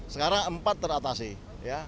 sekarang empat teratasi ya